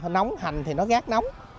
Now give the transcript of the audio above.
nóng hành thì nó gác nóng